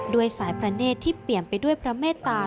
ด้วยสายพระเนธที่เปลี่ยนไปด้วยพระเมตตา